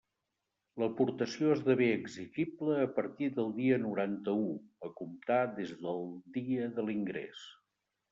L'aportació esdevé exigible a partir del dia noranta-u, a comptar des del dia de l'ingrés.